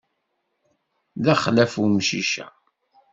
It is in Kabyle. D axlaf umcic-a.